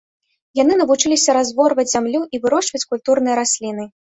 Яны навучыліся разворваць зямлю і вырошчваць культурныя расліны.